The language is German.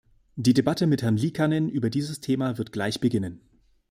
Die Debatte mit Herrn Liikanen über dieses Thema wird gleich beginnen.